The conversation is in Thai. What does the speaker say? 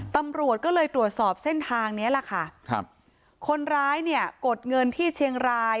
ตำรวจก็เลยตรวจสอบเส้นทางเนี้ยแหละค่ะครับคนร้ายเนี่ยกดเงินที่เชียงราย